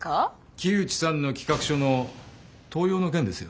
木内さんの企画書の盗用の件ですよ。